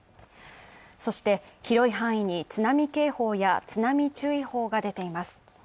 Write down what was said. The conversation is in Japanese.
そして広い範囲に津波警報や津波注意報が出ています。